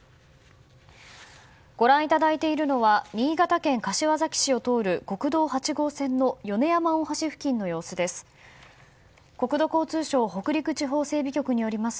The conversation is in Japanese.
ご覧いただいているのは新潟県柏崎市を通る国道８号線の米山大橋付近の様子です。